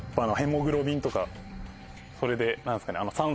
それで何すかね。